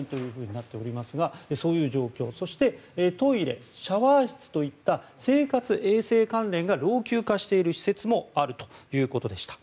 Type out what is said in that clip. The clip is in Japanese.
そして、トイレシャワー室といった生活衛生関連が老朽化している施設もあるということでした。